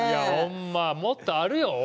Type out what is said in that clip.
もっとあるよ？